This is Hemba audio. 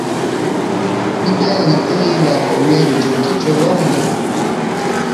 Ibenga ite ila kowine njimukichwela onga.